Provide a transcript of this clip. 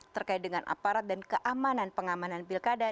terkait dengan aparat dan keamanan pengamanan pilkada